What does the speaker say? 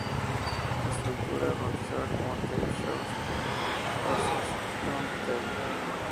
La estructura, bautizada como "They shoot horses, don't they?